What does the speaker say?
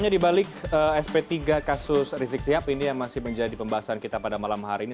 di balik sp tiga kasus rizik sihab ini yang masih menjadi pembahasan kita pada malam hari ini